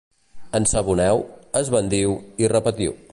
Ensaboneu, esbaldiu i repetiu.